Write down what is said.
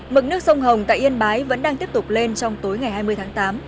mực nước sông hồng tại yên bái vẫn đang tiếp tục lên trong tối ngày hai mươi tháng tám